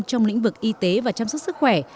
trong lĩnh vực y tế và chăm sóc sức khỏe